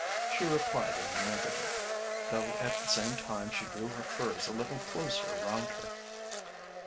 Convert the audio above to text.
She replied in the negative, though at the same time she drew her furs a little closer round her.